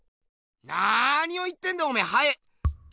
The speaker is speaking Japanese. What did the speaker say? なにを言ってんだおめぇハエ？